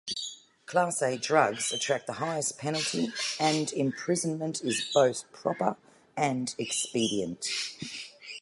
Class A drugs attract the highest penalty, and imprisonment is both "proper and expedient".